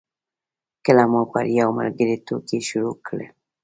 کله مو پر یو ملګري ټوکې شروع کړې.